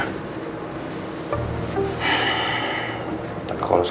bisa nann knight di dunia